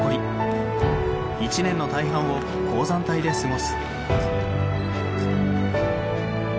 一年の大半を高山帯で過ごす。